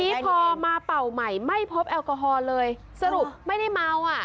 ทีนี้พอมาเป่าใหม่ไม่พบแอลกอฮอล์เลยสรุปไม่ได้เมาอ่ะ